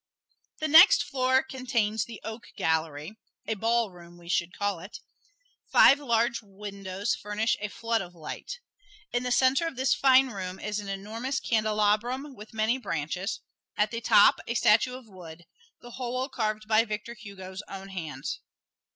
The next floor contains the "Oak Gallery": a ballroom we should call it. Five large windows furnish a flood of light. In the center of this fine room is an enormous candelabrum with many branches, at the top a statue of wood, the whole carved by Victor Hugo's own hands.